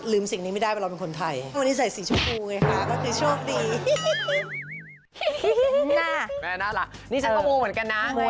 ลืมสิ่งนี้ไม่ได้ว่าเราเป็นคนไทย